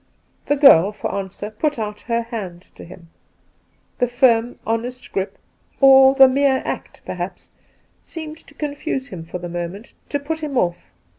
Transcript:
The girl, for answer, put out her hand to him. The firm, honest grip, or the mere act perhaps, seemed to confuse him for the moment, to put^him off